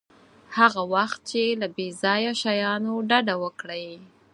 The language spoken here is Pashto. هغه وخت چې له بې ځایه شیانو ډډه وکړئ.